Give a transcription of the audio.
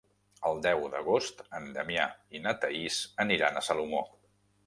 El deu d'agost en Damià i na Thaís aniran a Salomó.